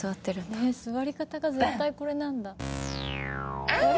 ねえ座り方が絶対これなんだ。